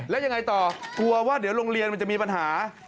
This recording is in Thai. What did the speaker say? แล้วยังไงต่อกลัวว่าเดี๋ยวโรงเรียนมันจะมีปัญหา